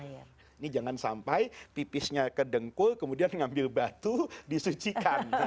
ini jangan sampai pipisnya kedengkul kemudian ngambil batu disucikan